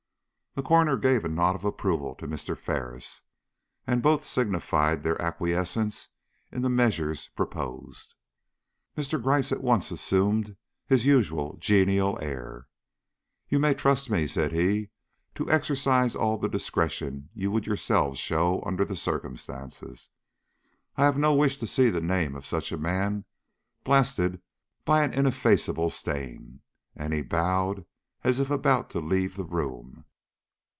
The coroner gave a nod of approval to Mr. Ferris, and both signified their acquiescence in the measures proposed. Mr. Gryce at once assumed his usual genial air. "You may trust me," said he, "to exercise all the discretion you would yourselves show under the circumstances. I have no wish to see the name of such a man blasted by an ineffaceable stain." And he bowed as if about to leave the room.